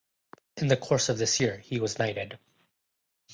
In the course of this year he was knighted.